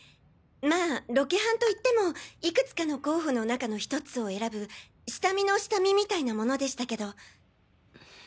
まあロケハンといってもいくつかの候補の中の１つを選ぶ下見の下見みたいなものでしたけど。